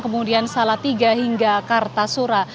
kemudian selatiga hingga kartasura